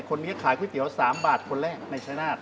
คนนี้ขายก๋วยเตี๋ยว๓บาทคนแรกในชายนาฏ